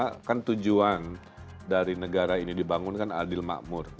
karena kan tujuan dari negara ini dibangun kan adil makmur